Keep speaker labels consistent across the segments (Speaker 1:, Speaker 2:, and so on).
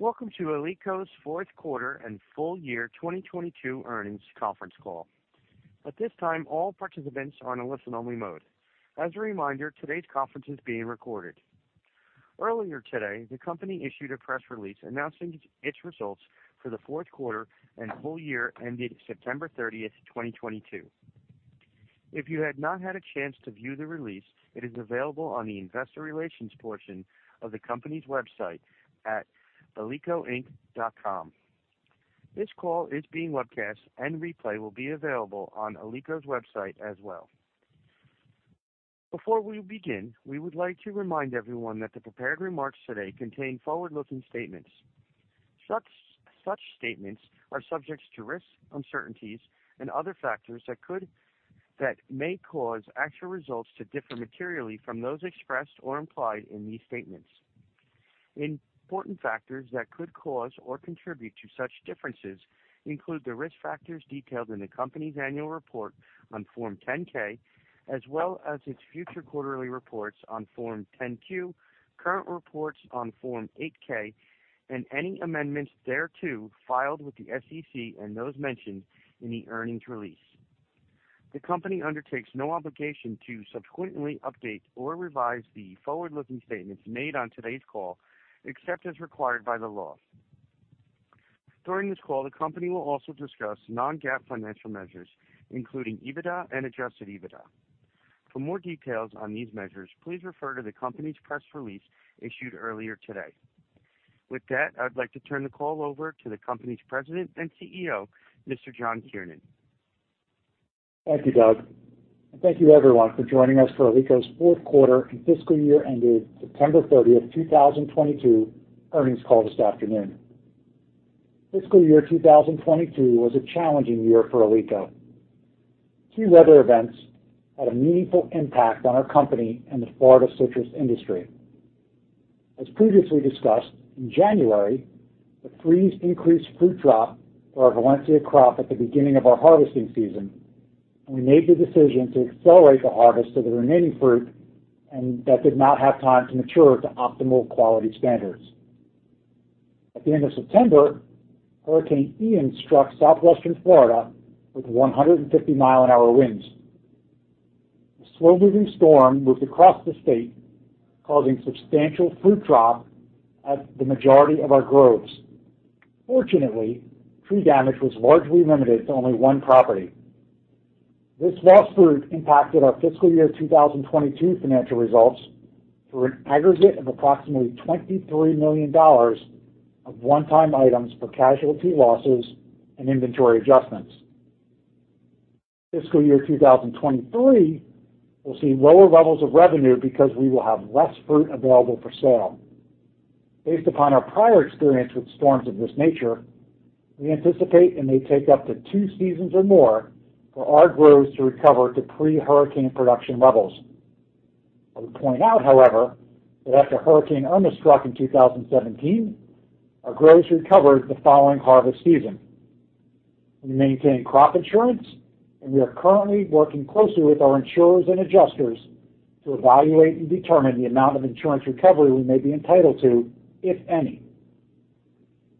Speaker 1: Welcome to Alico's Fourth Quarter and Full Year 2022 Earnings Conference Call. At this time, all participants are on a listen-only mode. As a reminder, today's conference is being recorded. Earlier today, the company issued a press release announcing its results for the fourth quarter and full year ending September 30th, 2022. If you have not had a chance to view the release, it is available on the investor relations portion of the company's website at alicoinc.com. This call is being webcast and replay will be available on Alico's website as well. Before we begin, we would like to remind everyone that the prepared remarks today contain forward-looking statements. Such statements are subject to risks, uncertainties and other factors that may cause actual results to differ materially from those expressed or implied in these statements. Important factors that could cause or contribute to such differences include the risk factors detailed in the company's annual report on Form 10-K, as well as its future quarterly reports on Form 10-Q, current reports on Form 8-K and any amendments thereto filed with the SEC and those mentioned in the earnings release. The company undertakes no obligation to subsequently update or revise the forward-looking statements made on today's call, except as required by the law. During this call, the company will also discuss non-GAAP financial measures, including EBITDA and Adjusted EBITDA. For more details on these measures, please refer to the company's press release issued earlier today. With that, I'd like to turn the call over to the company's President and CEO, Mr. John Kiernan.
Speaker 2: Thank you, Doug. Thank you everyone for joining us for Alico's fourth quarter and fiscal year ended September 30th, 2022 earnings call this afternoon. Fiscal year 2022 was a challenging year for Alico. Two weather events had a meaningful impact on our company and the Florida citrus industry. As previously discussed, in January, the freeze increased fruit drop for our Valencia crop at the beginning of our harvesting season, and we made the decision to accelerate the harvest of the remaining fruit and that did not have time to mature to optimal quality standards. At the end of September, Hurricane Ian struck southwestern Florida with 150 mi an hour winds. The slow-moving storm moved across the state, causing substantial fruit drop at the majority of our groves. Fortunately, tree damage was largely limited to only one property. This lost fruit impacted our fiscal year 2022 financial results for an aggregate of approximately $23 million of one-time items for casualty losses and inventory adjustments. Fiscal year 2023 will see lower levels of revenue because we will have less fruit available for sale. Based upon our prior experience with storms of this nature, we anticipate it may take up to two seasons or more for our groves to recover to pre-hurricane production levels. I would point out, however, that after Hurricane Irma struck in 2017, our groves recovered the following harvest season. We maintain crop insurance. We are currently working closely with our insurers and adjusters to evaluate and determine the amount of insurance recovery we may be entitled to, if any.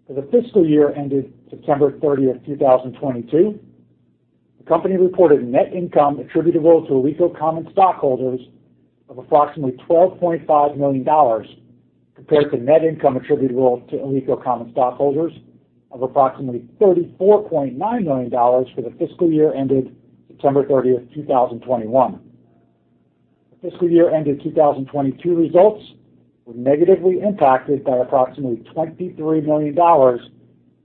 Speaker 2: For the fiscal year ended September 30th, 2022, the company reported net income attributable to Alico common stockholders of approximately $12.5 million, compared to net income attributable to Alico common stockholders of approximately $34.9 million for the fiscal year ended September 30th, 2021. The fiscal year ended 2022 results were negatively impacted by approximately $23 million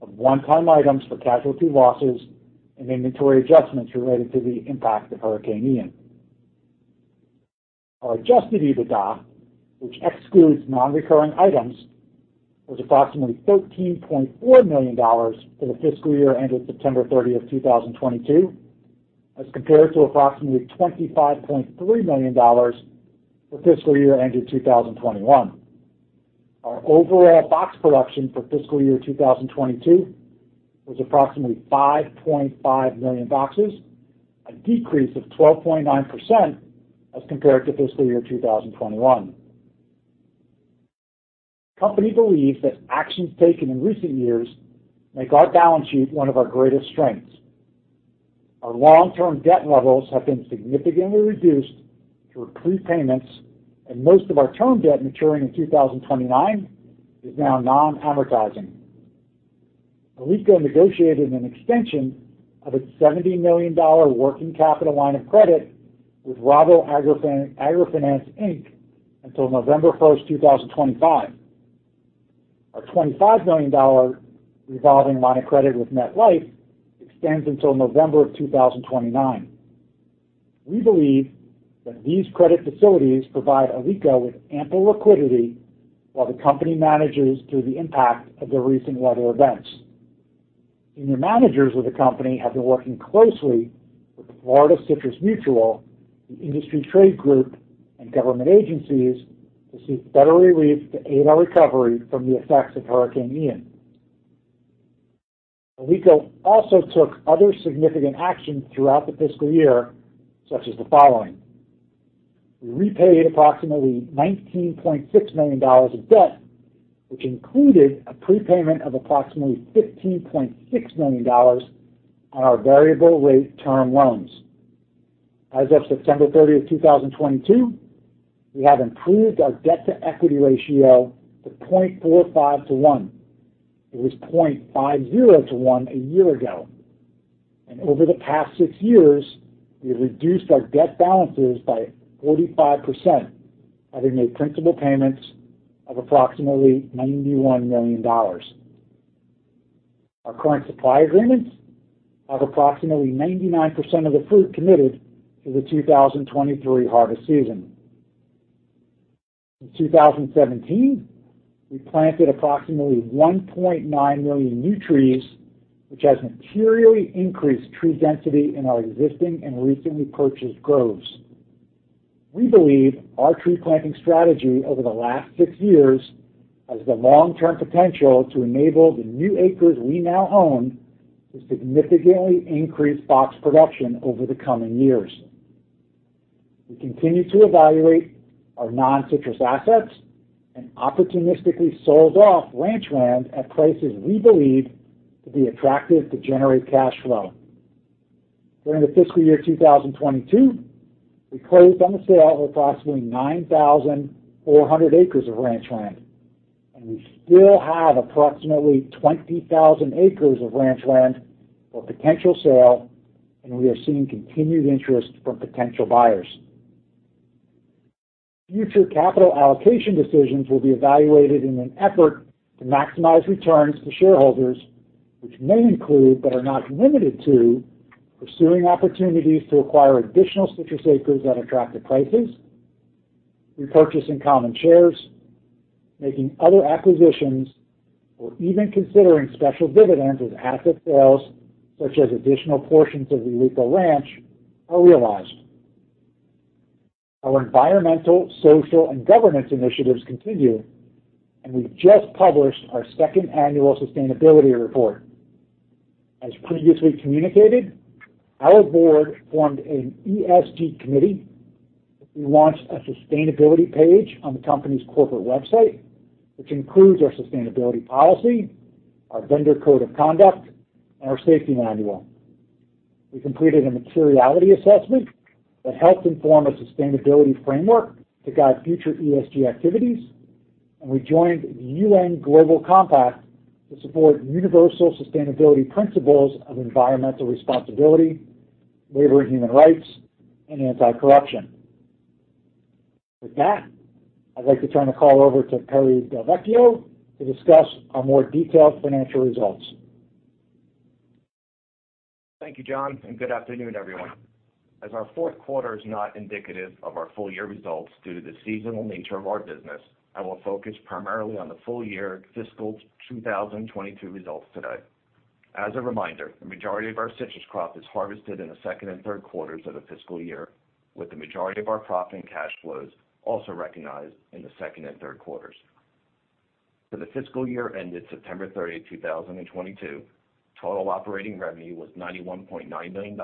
Speaker 2: of one-time items for casualty losses and inventory adjustments related to the impact of Hurricane Ian. Our Adjusted EBITDA, which excludes non-recurring items, was approximately $13.4 million for the fiscal year ended September 30th, 2022, as compared to approximately $25.3 million for fiscal year ended 2021. Our overall box production for fiscal year 2022 was approximately 5.5 million boxes, a decrease of 12.9% as compared to fiscal year 2021. The company believes that actions taken in recent years make our balance sheet one of our greatest strengths. Our long-term debt levels have been significantly reduced through prepayments, and most of our term debt maturing in 2029 is now non-amortizing. Alico negotiated an extension of its $70 million working capital line of credit with Rabo AgriFinance, Inc until November 1st, 2025. Our $25 million revolving line of credit with MetLife extends until November of 2029. We believe that these credit facilities provide Alico with ample liquidity while the company manages through the impact of the recent weather events. Senior managers of the company have been working closely with Florida Citrus Mutual, the industry trade group, and government agencies to seek federal relief to aid our recovery from the effects of Hurricane Ian. Alico also took other significant action throughout the fiscal year, such as the following. We repaid approximately $19.6 million of debt, which included a prepayment of approximately $15.6 million on our variable rate term loans. As of September 30th, 2022, we have improved our debt-to-equity ratio to 0.45-1. It was 0.50-1 a year ago. Over the past six years, we've reduced our debt balances by 45%, having made principal payments of approximately $91 million. Our current supply agreements have approximately 99% of the fruit committed for the 2023 harvest season. In 2017, we planted approximately 1.9 million new trees, which has materially increased tree density in our existing and recently purchased groves. We believe our tree planting strategy over the last six years has the long-term potential to enable the new acres we now own to significantly increase box production over the coming years. We continue to evaluate our non-citrus assets and opportunistically sold off ranch land at prices we believe to be attractive to generate cash flow. During the fiscal year 2022, we closed on the sale of approximately 9,400 acres of ranch land, and we still have approximately 20,000 acres of ranch land for potential sale, and we are seeing continued interest from potential buyers. Future capital allocation decisions will be evaluated in an effort to maximize returns to shareholders, which may include, but are not limited to, pursuing opportunities to acquire additional citrus acres at attractive prices, repurchasing common shares, making other acquisitions, or even considering special dividends as asset sales, such as additional portions of the Alico Ranch, are realized. Our environmental, social, and governance initiatives continue, and we've just published our second annual sustainability report. As previously communicated, our board formed an ESG committee. We launched a sustainability page on the company's corporate website, which includes our sustainability policy, our vendor code of conduct, and our safety manual. We completed a materiality assessment that helped inform a sustainability framework to guide future ESG activities, and we joined the UN Global Compact to support universal sustainability principles of environmental responsibility, labor and human rights, and anti-corruption. With that, I'd like to turn the call over to Perry Del Vecchio to discuss our more detailed financial results.
Speaker 3: Thank you, John, and good afternoon, everyone. As our fourth quarter is not indicative of our full year results due to the seasonal nature of our business, I will focus primarily on the full year fiscal 2022 results today. As a reminder, the majority of our citrus crop is harvested in the second and third quarters of the fiscal year, with the majority of our profit and cash flows also recognized in the second and third quarters. For the fiscal year ended September 30th, 2022, total operating revenue was $91.9 million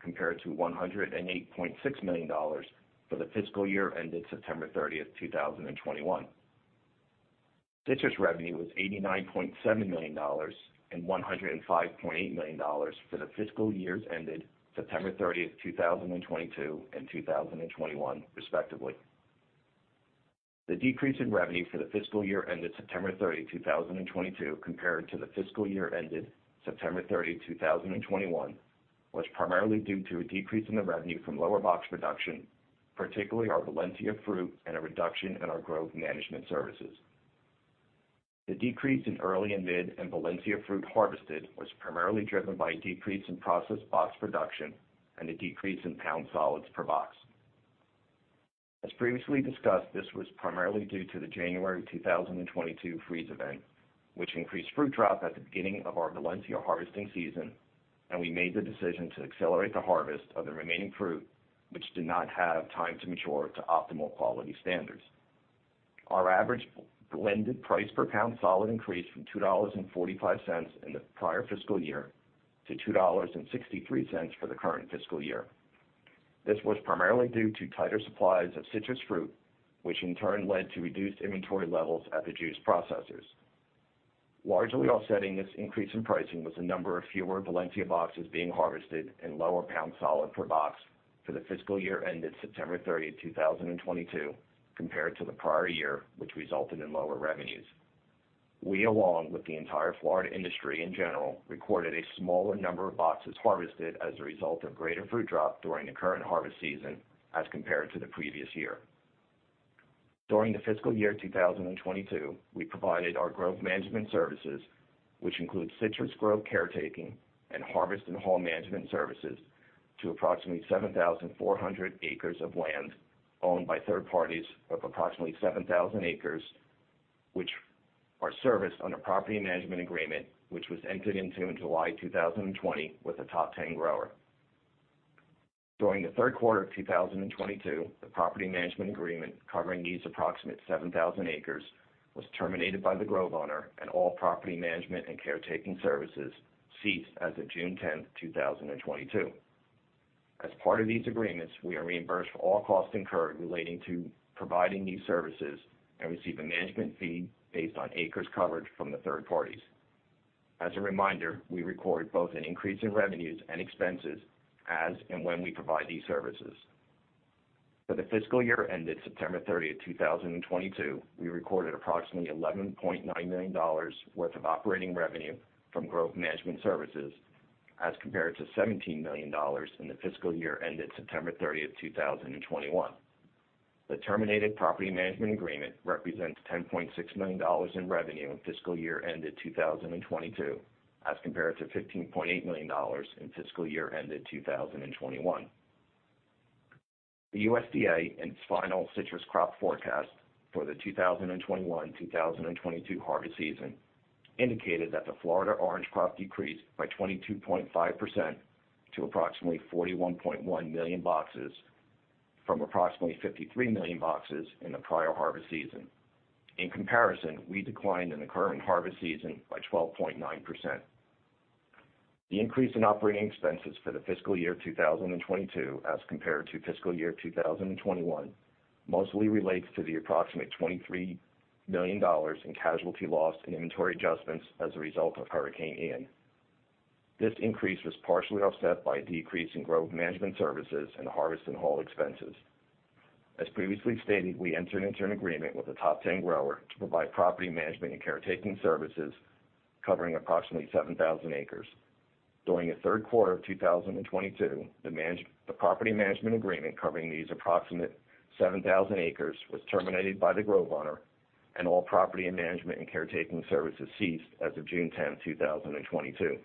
Speaker 3: compared to $108.6 million for the fiscal year ended September 30th, 2021. Citrus revenue was $89.7 million and $105.8 million for the fiscal years ended September 30th, 2022 and 2021 respectively. The decrease in revenue for the fiscal year ended September 30th, 2022 compared to the fiscal year ended September 30th, 2021 was primarily due to a decrease in the revenue from lower box production, particularly our Valencia fruit and a reduction in our Grove Management Services. The decrease in Early and Mid-Season and Valencia fruit harvested was primarily driven by a decrease in processed box production and a decrease in pound solids per box. As previously discussed, this was primarily due to the January 2022 freeze event, which increased fruit drop at the beginning of our Valencia harvesting season, and we made the decision to accelerate the harvest of the remaining fruit, which did not have time to mature to optimal quality standards. Our average blended price per pound solid increased from $2.45 in the prior fiscal year to $2.63 for the current fiscal year. This was primarily due to tighter supplies of citrus fruit, which in turn led to reduced inventory levels at the juice processors. Largely offsetting this increase in pricing was the number of fewer Valencia boxes being harvested and lower pound solid per box for the fiscal year ended September 30th, 2022 compared to the prior year, which resulted in lower revenues. We, along with the entire Florida industry in general, recorded a smaller number of boxes harvested as a result of greater fruit drop during the current harvest season as compared to the previous year. During the fiscal year 2022, we provided our Grove Management Services, which include citrus grove caretaking and harvest and haul management services to approximately 7,400 acres of land owned by third parties of approximately 7,000 acres, which are serviced on a property management agreement, which was entered into in July 2020 with a top 10 grower. During the third quarter of 2022, the property management agreement covering these approximate 7,000 acres was terminated by the grove owner and all property management and caretaking services ceased as of June 10th, 2022. As part of these agreements, we are reimbursed for all costs incurred relating to providing these services and receive a management fee based on acres covered from the third parties. As a reminder, we record both an increase in revenues and expenses as and when we provide these services. For the fiscal year ended September 30th, 2022, we recorded approximately $11.9 million worth of operating revenue from Grove Management Services as compared to $17 million in the fiscal year ended September 30th, 2021. The terminated property management agreement represents $10.6 million in revenue in fiscal year ended 2022 as compared to $15.8 million in fiscal year ended 2021. The USDA in its final citrus crop forecast for the 2021, 2022 harvest season indicated that the Florida orange crop decreased by 22.5% to approximately 41.1 million boxes from approximately 53 million boxes in the prior harvest season. In comparison, we declined in the current harvest season by 12.9%. The increase in operating expenses for the fiscal year 2022 as compared to fiscal year 2021 mostly relates to the approximate $23 million in casualty loss and inventory adjustments as a result of Hurricane Ian. This increase was partially offset by a decrease in Grove Management Services and harvest and haul expenses. As previously stated, we entered into an agreement with the top 10 grower to provide property management and caretaking services covering approximately 7,000 acres. During the third quarter of 2022, the property management agreement covering these approximate 7,000 acres was terminated by the grove owner, and all property and management and caretaking services ceased as of June 10, 2022.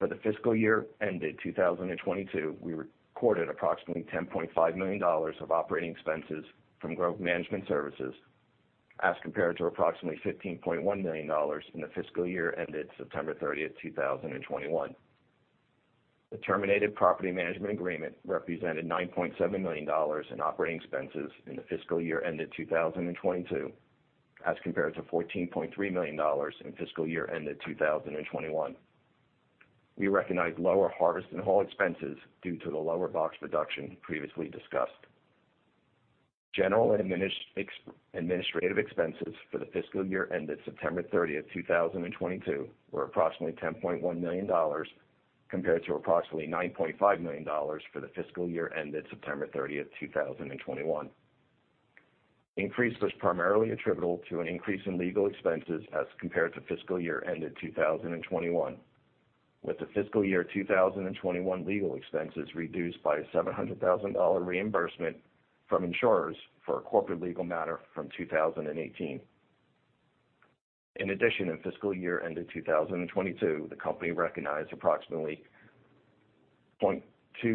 Speaker 3: For the fiscal year ended 2022, we recorded approximately $10.5 million of operating expenses from Grove Management Services as compared to approximately $15.1 million in the fiscal year ended September 30th, 2021. The terminated property management agreement represented $9.7 million in operating expenses in the fiscal year ended 2022 as compared to $14.3 million in fiscal year ended 2021. We recognized lower harvest and haul expenses due to the lower box reduction previously discussed. General administrative expenses for the fiscal year ended September 30th, 2022, were approximately $10.1 million compared to approximately $9.5 million for the fiscal year ended September 30th, 2021. The increase was primarily attributable to an increase in legal expenses as compared to fiscal year ended 2021, with the fiscal year 2021 legal expenses reduced by $700,000 reimbursement from insurers for a corporate legal matter from 2018. In fiscal year ended 2022, the company recognized approximately $0.2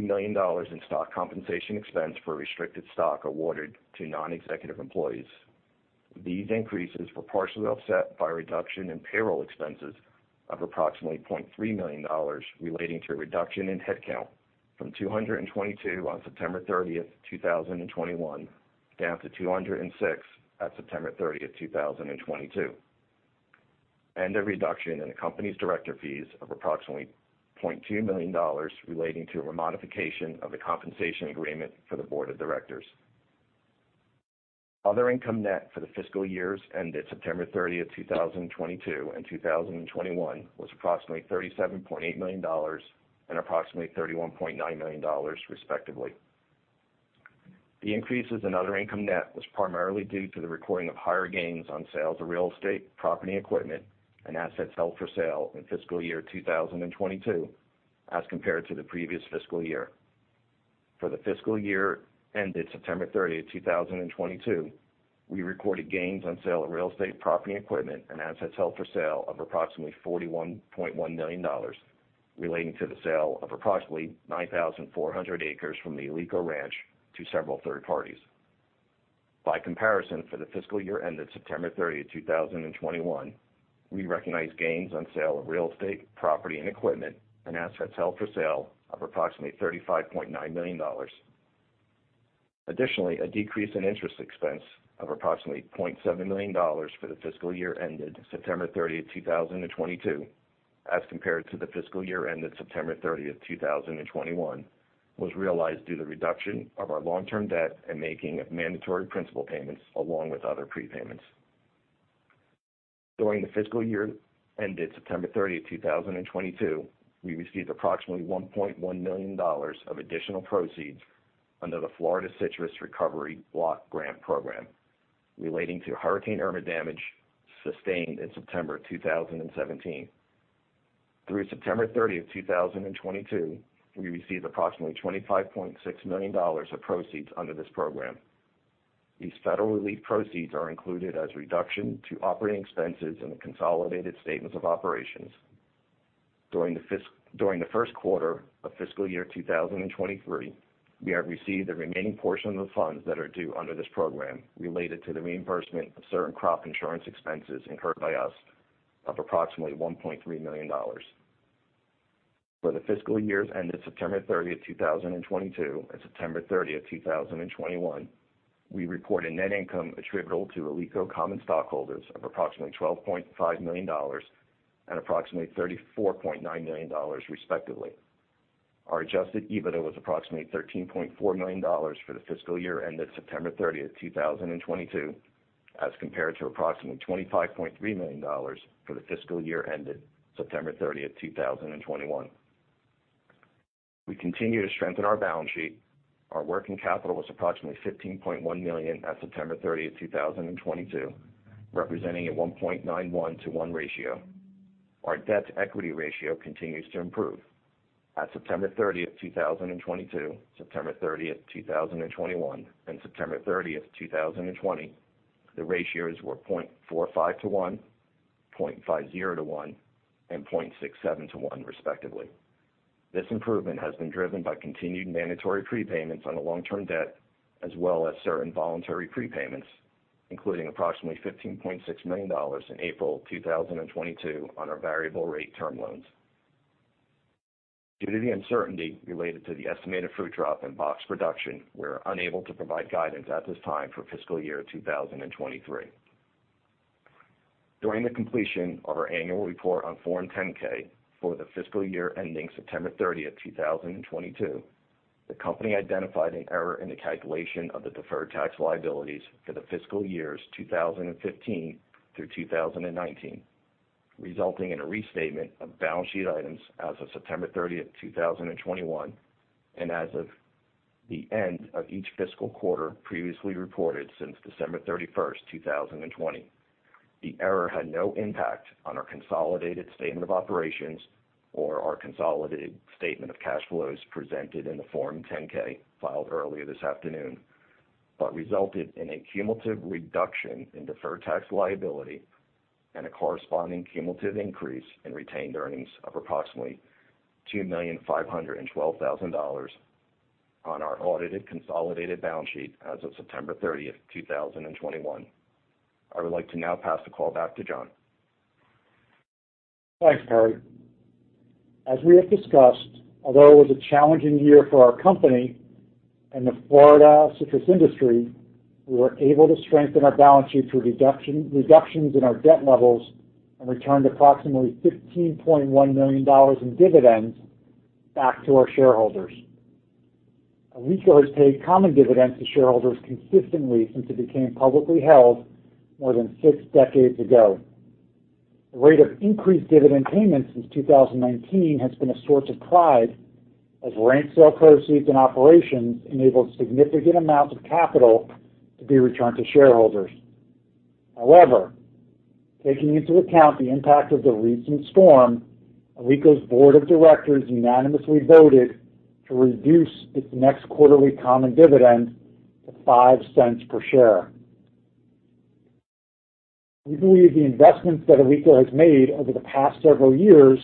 Speaker 3: million in stock compensation expense for restricted stock awarded to non-executive employees. These increases were partially offset by a reduction in payroll expenses of approximately $0.3 million relating to a reduction in headcount from 222 on September 30th, 2021, down to 206 at September 30th, 2022, and a reduction in the company's director fees of approximately $0.2 million relating to a modification of the compensation agreement for the board of directors. Other income net for the fiscal years ended September 30th, 2022 and 2021 was approximately $37.8 million and approximately $31.9 million, respectively. The increases in other income net was primarily due to the recording of higher gains on sales of real estate, property, and equipment, and assets held for sale in fiscal year 2022 as compared to the previous fiscal year. For the fiscal year ended September 30th, 2022, we recorded gains on sale of real estate, property, and equipment, and assets held for sale of approximately $41.1 million relating to the sale of approximately 9,400 acres from the Alico Ranch to several third parties. By comparison, for the fiscal year ended September 30th, 2021, we recognized gains on sale of real estate, property and equipment, and assets held for sale of approximately $35.9 million. Additionally, a decrease in interest expense of approximately $0.7 million for the fiscal year ended September 30th, 2022, as compared to the fiscal year ended September 30th, 2021, was realized due to the reduction of our long-term debt and making of mandatory principal payments along with other prepayments. During the fiscal year ended September 30th, 2022, we received approximately $1.1 million of additional proceeds under the Florida Citrus Recovery Block Grant Program relating to Hurricane Irma damage sustained in September 2017. Through September 30th, 2022, we received approximately $25.6 million of proceeds under this program. These federal relief proceeds are included as a reduction to operating expenses in the consolidated statements of operations. During the first quarter of fiscal year 2023, we have received the remaining portion of the funds that are due under this program related to the reimbursement of certain crop insurance expenses incurred by usOf approximately $1.3 million. For the fiscal years ended September 30th, 2022 and September 30th, 2021, we report a net income attributable to Alico common stockholders of approximately $12.5 million and approximately $34.9 million respectively. Our Adjusted EBITDA was approximately $13.4 million for the fiscal year ended September 30th, 2022, as compared to approximately $25.3 million for the fiscal year ended September 30th, 2021. We continue to strengthen our balance sheet. Our working capital was approximately $15.1 million at September 30th, 2022, representing a 1.91-1 ratio. Our debt-to-equity ratio continues to improve. At September 30th, 2022, September 30th, 2021, and September 30th, 2020, the ratios were 0.45-1, 0.50-1, and 0.67-1 respectively. This improvement has been driven by continued mandatory prepayments on the long-term debt as well as certain voluntary prepayments, including approximately $15.6 million in April 2022 on our variable rate term loans. Due to the uncertainty related to the estimated fruit drop in box production, we're unable to provide guidance at this time for fiscal year 2023. During the completion of our annual report on Form 10-K for the fiscal year ending September 30th, 2022, the company identified an error in the calculation of the deferred tax liabilities for the fiscal years 2015 through 2019, resulting in a restatement of balance sheet items as of September 30th, 2021 and as of the end of each fiscal quarter previously reported since December 31st, 2020. The error had no impact on our consolidated statement of operations or our consolidated statement of cash flows presented in the Form 10-K filed earlier this afternoon, but resulted in a cumulative reduction in deferred tax liability and a corresponding cumulative increase in retained earnings of approximately $2,512,000 on our audited consolidated balance sheet as of September 30th, 2021. I would like to now pass the call back to John.
Speaker 2: Thanks, Perry. As we have discussed, although it was a challenging year for our company and the Florida citrus industry, we were able to strengthen our balance sheet through reductions in our debt levels and returned approximately $15.1 million in dividends back to our shareholders. Alico has paid common dividends to shareholders consistently since it became publicly held more than six decades ago. The rate of increased dividend payments since 2019 has been a source of pride as Ranch sale proceeds and operations enabled significant amounts of capital to be returned to shareholders. However, taking into account the impact of the recent storm, Alico's board of directors unanimously voted to reduce its next quarterly common dividend to $0.05 per share. We believe the investments that Alico has made over the past several years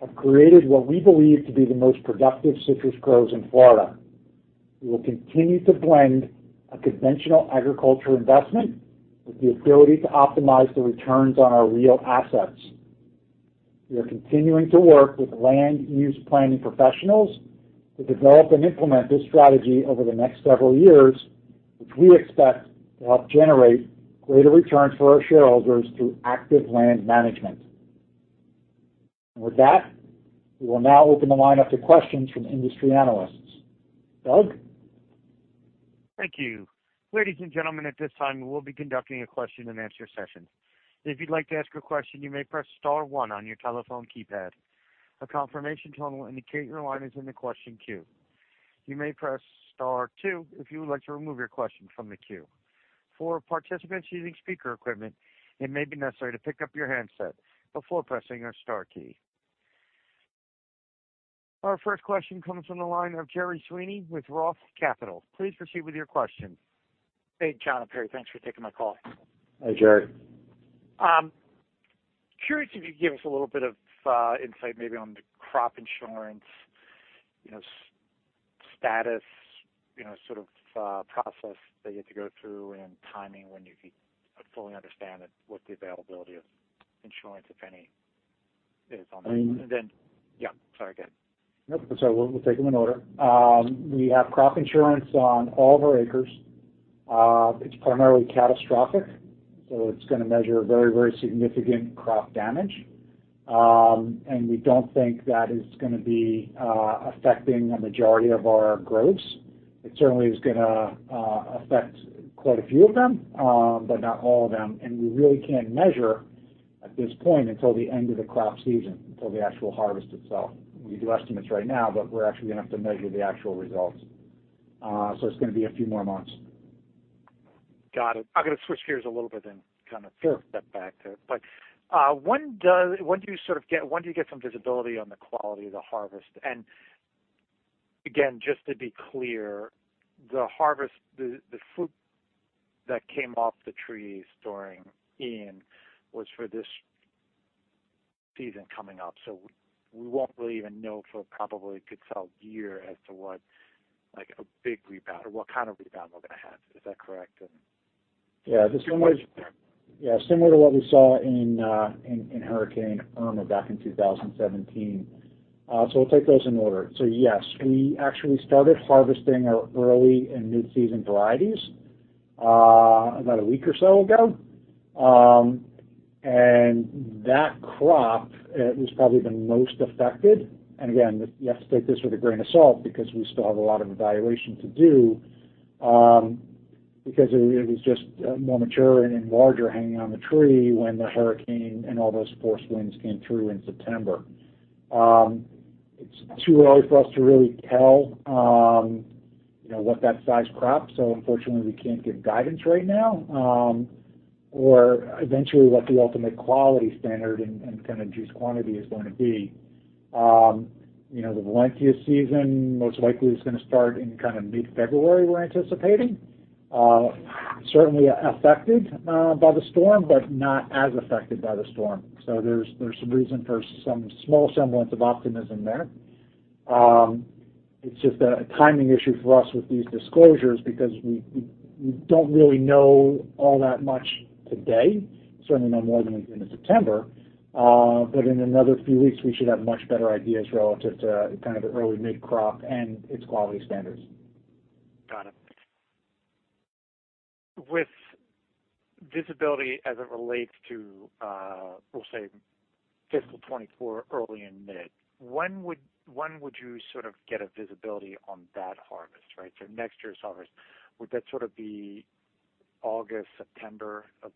Speaker 2: have created what we believe to be the most productive citrus groves in Florida. We will continue to blend a conventional agriculture investment with the ability to optimize the returns on our real assets. We are continuing to work with land use planning professionals to develop and implement this strategy over the next several years, which we expect to help generate greater returns for our shareholders through active land management. With that, we will now open the line up to questions from industry analysts. Doug?
Speaker 1: Thank you. Ladies and gentlemen, at this time, we'll be conducting a question-and-answer session. If you'd like to ask a question, you may press star one on your telephone keypad. A confirmation tone will indicate your line is in the question queue. You may press star two if you would like to remove your question from the queue. For participants using speaker equipment, it may be necessary to pick up your handset before pressing your star key. Our first question comes from the line of Gerry Sweeney with Roth Capital. Please proceed with your question.
Speaker 4: Hey, John and Perry. Thanks for taking my call.
Speaker 2: Hi, Gerry.
Speaker 4: Curious if you could give us a little bit of insight maybe on the crop insurance, you know, status, you know, sort of process that you have to go through and timing when you could fully understand it, what the availability of insurance, if any, is on that?
Speaker 2: I-
Speaker 4: Yeah. Sorry, go ahead.
Speaker 2: No, that's all right. We'll take them in order. We have crop insurance on all of our acres. It's primarily Catastrophic, so it's gonna measure very significant crop damage. We don't think that is gonna be affecting a majority of our groves. It certainly is gonna affect quite a few of them, but not all of them. We really can't measure at this point until the end of the crop season, until the actual harvest itself. We do estimates right now, but we're actually gonna have to measure the actual results. It's gonna be a few more months.
Speaker 4: Got it. I'm gonna switch gears a little bit.
Speaker 2: Sure.
Speaker 4: Step back to it. When do you get some visibility on the quality of the harvest? Again, just to be clear, the harvest, the fruit that came off the trees during Ian was for this season coming up. We won't really even know for probably a good solid year as to what, like, a big rebound or what kind of rebound we're gonna have. Is that correct?
Speaker 2: Similar to what we saw in Hurricane Irma back in 2017. We'll take those in order. Yes, we actually started harvesting our Early and Mid-Season varieties about a week or so ago. That crop, it was probably the most affected. Again, you have to take this with a grain of salt because we still have a lot of evaluation to do, because it was just more mature and larger hanging on the tree when the hurricane and all those forced winds came through in September. It's too early for us to really tell, you know, what that size crop. Unfortunately, we can't give guidance right now, or eventually what the ultimate quality standard and kind of juice quantity is going to be. You know, the Valencia season most likely is gonna start in kind of mid-February, we're anticipating. Certainly affected by the storm, but not as affected by the storm. There's some reason for some small semblance of optimism there. It's just a timing issue for us with these disclosures because we don't really know all that much today, certainly no more than in September. In another few weeks, we should have much better ideas relative to kind of the early mid crop and its quality standards.
Speaker 4: Got it. With visibility as it relates to, we'll say fiscal 2024, early and mid, when would you sort of get a visibility on that harvest, right? Next year's harvest, would that sort of be August, September of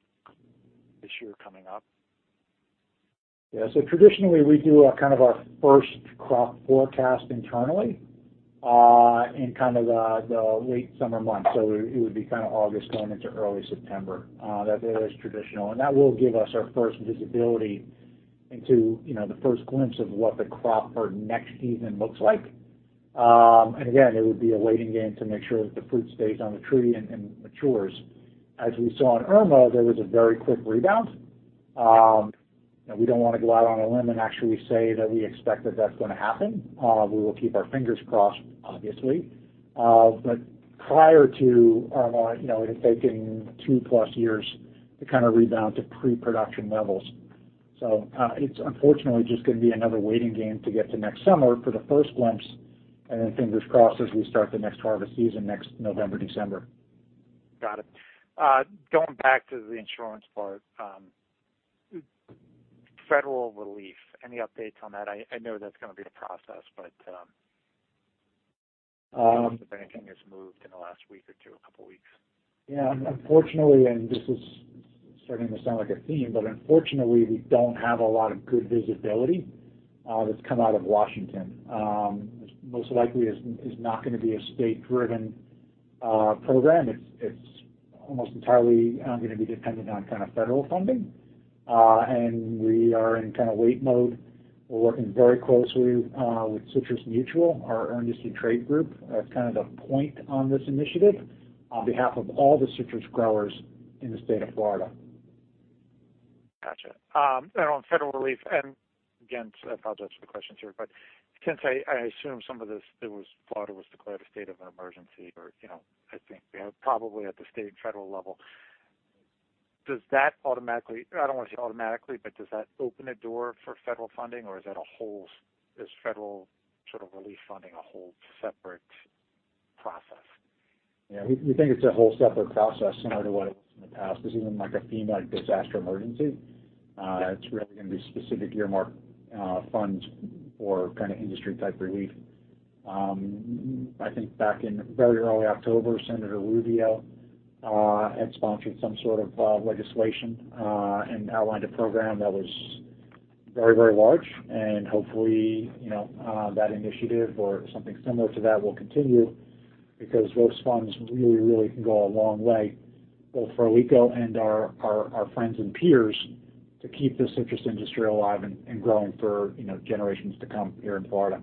Speaker 4: this year coming up?
Speaker 2: Yeah. Traditionally, we do a kind of our first crop forecast internally, in kind of the late summer months. It would be kind of August going into early September. That there is traditional. That will give us our first visibility into, you know, the first glimpse of what the crop for next season looks like. Again, it would be a waiting game to make sure that the fruit stays on the tree and matures. As we saw in Irma, there was a very quick rebound. You know, we don't wanna go out on a limb and actually say that we expect that that's gonna happen. We will keep our fingers crossed, obviously. Prior to Irma, you know, it has taken 2+ years to kind of rebound to pre-production levels. It's unfortunately just gonna be another waiting game to get to next summer for the first glimpse, and then fingers crossed as we start the next harvest season next November, December.
Speaker 4: Got it. going back to the insurance part, federal relief, any updates on that? I know that's gonna be a process, but-
Speaker 2: Um-
Speaker 4: If anything has moved in the last week or two, a couple weeks.
Speaker 2: Yeah. Unfortunately, and this is starting to sound like a theme, but unfortunately, we don't have a lot of good visibility that's come out of Washington. Most likely is not gonna be a state-driven program. It's almost entirely gonna be dependent on kind of federal funding. We are in kind of wait mode. We're working very closely with Citrus Mutual, our industry trade group. That's kind of the point on this initiative on behalf of all the citrus growers in the state of Florida.
Speaker 4: Gotcha. On federal relief, again, I apologize for the questions here, but since I assume some of this, Florida was declared a state of an emergency or, you know, I think probably at the state and federal level, I don't wanna say automatically, but does that open a door for federal funding, or is federal sort of relief funding a whole separate process?
Speaker 2: Yeah. We think it's a whole separate process similar to what it was in the past. This isn't like a FEMA disaster emergency. It's really gonna be specific earmarked funds for kind of industry type relief. I think back in very early October, Senator Rubio had sponsored some sort of legislation and outlined a program that was very, very large. Hopefully, you know, that initiative or something similar to that will continue because those funds really, really can go a long way, both for Alico and our friends and peers to keep this citrus industry alive and growing for, you know, generations to come here in Florida.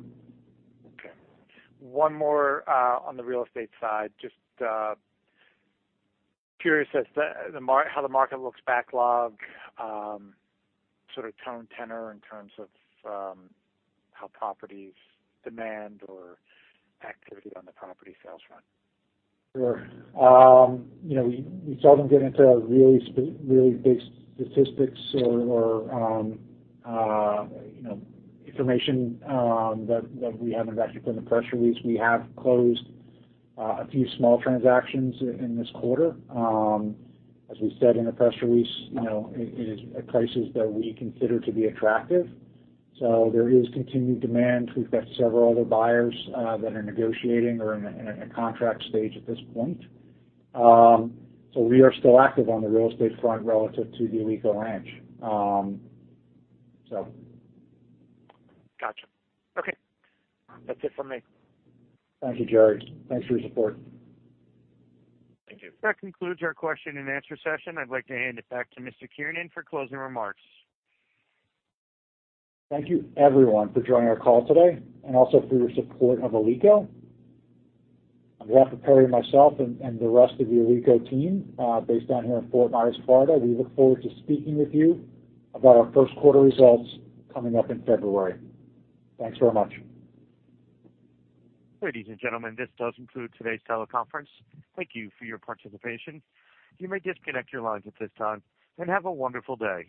Speaker 4: One more on the real estate side. Just curious as how the market looks backlogged, sort of tone, tenor in terms of how properties demand or activity on the property sales front.
Speaker 2: Sure. You know, we seldom get into really big statistics or, you know, information that we haven't actually put in the press release. We have closed a few small transactions in this quarter. As we said in the press release, you know, it is at prices that we consider to be attractive. There is continued demand. We've got several other buyers that are negotiating or in a contract stage at this point. We are still active on the real estate front relative to the Alico Ranch.
Speaker 4: Gotcha. Okay. That's it for me.
Speaker 2: Thank you, Gerry. Thanks for your support.
Speaker 4: Thank you.
Speaker 1: That concludes our question and answer session. I'd like to hand it back to Mr. Kiernan for closing remarks.
Speaker 2: Thank you everyone for joining our call today and also for your support of Alico. On behalf of Perry and myself and the rest of the Alico team, based down here in Fort Myers, Florida, we look forward to speaking with you about our first quarter results coming up in February. Thanks very much.
Speaker 1: Ladies and gentlemen, this does conclude today's teleconference. Thank you for your participation. You may disconnect your lines at this time, and have a wonderful day.